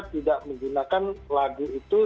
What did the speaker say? tidak menggunakan lagu itu